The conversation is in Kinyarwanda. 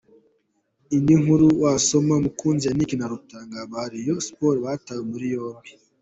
Indi nkuru waasoma: Mukunzi Yannick na Rutanga ba Rayons Sports batawe muri yombi.